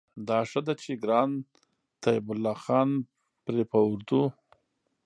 دا ښه ده چې ګران طيب الله خان پرې په اردو